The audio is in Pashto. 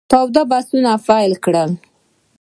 تاوده بحثونه پیل کړل.